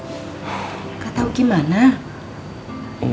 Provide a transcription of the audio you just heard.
lihatlah padahal kalau dia mau belom bites nekmunya ayo silakan tulis nanti ya